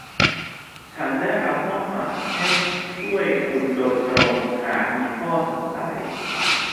ฉันได้รับมอบหมายให้ช่วยคุณโดยตรงหากมีข้อสงสัย